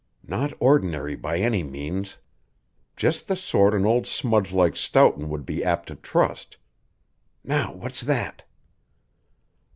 Not ordinary, by any means. Just the sort an old smudge like Stoughton would be apt to trust. Now what's that?